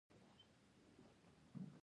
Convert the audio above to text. دا ډول خدمتونه د عمومي پارکونو په څیر دي